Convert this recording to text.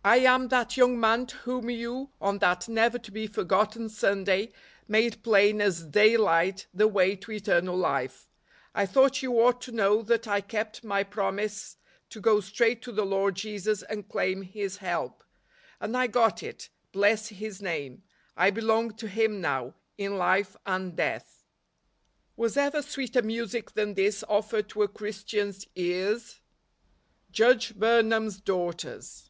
" I am that young man to whom you, on that never to be forgotten Sunday, made plain as daylight the way to eternal life. I thought you ought to know that I kept my promise to go straight to the Lord Jesus and claim His help. And I got it, bless His name! I belong to Him now, in life and death." Was ever sweeter music than this offered to a Christian's ears ? Judge Burnham's Daughters.